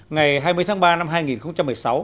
ngày hai mươi tháng ba năm hai nghìn một mươi sáu